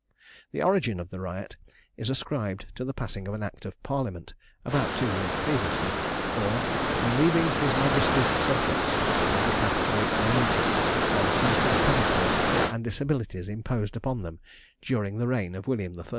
The origin of the riot is ascribed to the passing of an act of Parliament, about two years previously, for "relieving his majesty's subjects, of the Catholic Religion, from certain penalties and disabilities imposed upon them during the reign of William III."